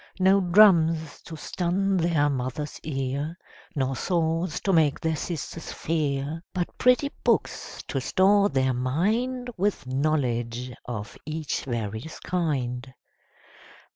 No drums to stun their Mother's ear, Nor swords to make their sisters fear; But pretty books to store their mind With knowledge of each various kind.